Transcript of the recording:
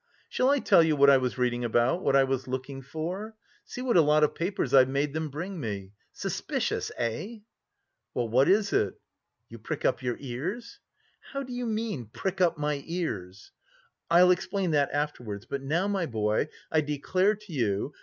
"Shall I tell you what I was reading about, what I was looking for? See what a lot of papers I've made them bring me. Suspicious, eh?" "Well, what is it?" "You prick up your ears?" "How do you mean 'prick up my ears'?" "I'll explain that afterwards, but now, my boy, I declare to you...